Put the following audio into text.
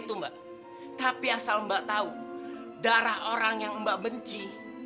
buat darno dan westi